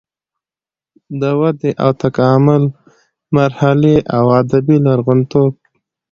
د ودې او تکامل مرحلې او ادبي لرغونتوب